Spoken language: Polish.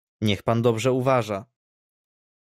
"„Niech pan dobrze uważa!"